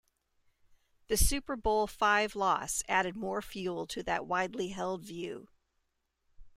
The Super Bowl Five loss added more fuel to that widely held view.